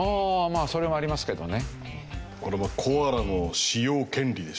あそれもありますけどね。